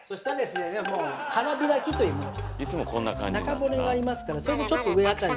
中骨がありますからそれのちょっと上あたりを。